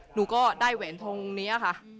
หนูก็ได้แหวนทงนี้ค่ะ